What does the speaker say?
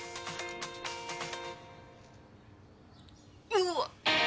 うわっ。